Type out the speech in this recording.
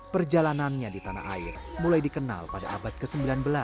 perjalanannya di tanah air mulai dikenal pada abad ke sembilan belas